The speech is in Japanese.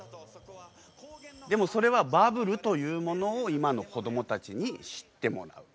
でもそれはバブルというものを今の子供たちに知ってもらう。